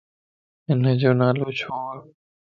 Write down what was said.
ھنَ جو نالو ڇو؟